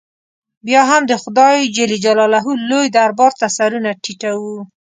بیا هم د خدای لوی دربار ته سرونه ټیټو.